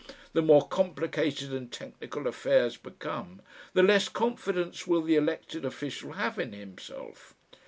The more complicated and technical affairs become, the less confidence will the elected official have in himself.